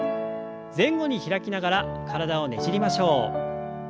前後に開きながら体をねじりましょう。